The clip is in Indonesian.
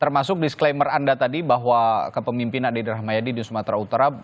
termasuk disclaimer anda tadi bahwa kepemimpinan ded rahmayadi di sumatera utara